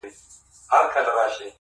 تا په درد كاتــــه اشــــنــــا.